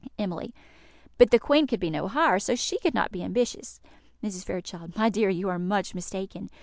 Emily. "But the Queen could be no higher, so she could not be ambitious." Mrs. Fairchild. "My dear, you are much mistaken.